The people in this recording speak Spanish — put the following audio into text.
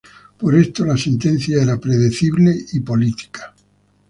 Por esto, la sentencia era predecible y política.